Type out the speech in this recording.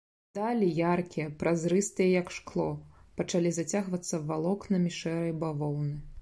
Далі, яркія, празрыстыя, як шкло, пачалі зацягвацца валокнамі шэрай бавоўны.